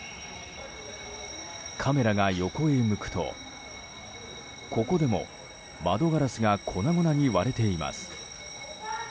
カメラが横へ向くとここでも窓ガラスが粉々に割れています。